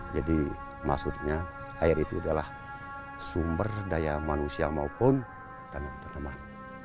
jadi maksudnya air itu adalah sumber daya manusia maupun tanaman